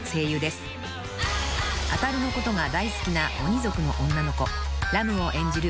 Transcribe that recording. ［あたるのことが大好きな鬼族の女の子ラムを演じる］